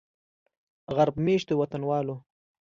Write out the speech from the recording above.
غرب میشتو وطنوالو